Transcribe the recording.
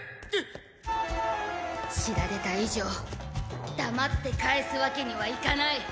知られた以上黙って帰すわけにはいかない。